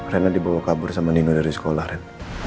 rena dibawa kabur sama nino dari sekolah ren